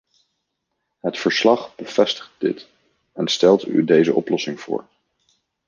Het verslag bevestigt dit en stelt u deze oplossing voor.